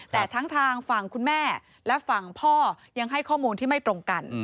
แต่ทั้งทางฝั่งคุณแม่และฝั่งพ่อยังให้ข้อมูลที่ไม่ตรงกัน